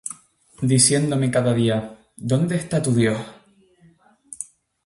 , Diciéndome cada día: ¿Dónde está tu Dios?